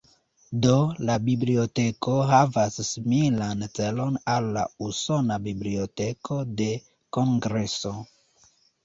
Do, la biblioteko havas similan celon al la usona Biblioteko de Kongreso.